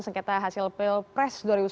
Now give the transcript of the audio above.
sengketa hasil pilpres dua ribu sembilan belas